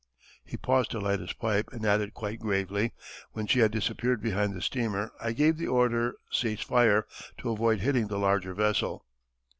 He paused to light his pipe, and added, quite gravely, "When she had disappeared behind the steamer I gave the order 'Cease fire,' to avoid hitting the larger vessel."